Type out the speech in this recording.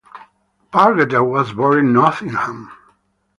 Pargeter was born in Nottingham.